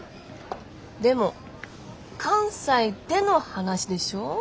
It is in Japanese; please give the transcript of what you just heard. でも関西での話でしょ？